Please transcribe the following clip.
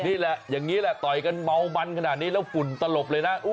นี่แหละอย่างนี้แหละต่อยกันเมามันขนาดนี้แล้วฝุ่นตลบเลยนะ